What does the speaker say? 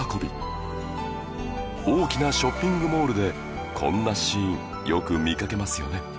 大きなショッピングモールでこんなシーンよく見かけますよね